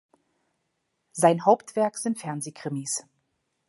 Sein Hauptwerk sind Fernseh-Krimis.